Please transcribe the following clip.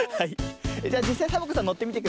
じゃじっさいサボ子さんのってみてください。